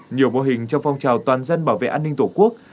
nhiều mô hình trong phong trào toàn dân bảo vệ an ninh tổ quốc